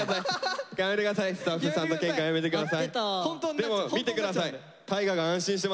でも見て下さい。